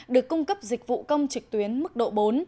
được cung cấp dịch vụ công trực tuyến mức độ bốn